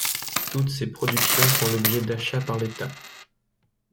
Toutes ses productions font l'objet d'achats par l'État.